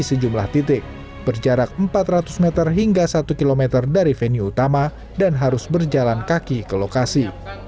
di sejumlah titik berjarak empat ratus meter hingga satu km dari venue utama dan harus berjalan kaki ke lokasi